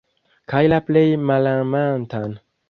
Kaj la plej malamantan.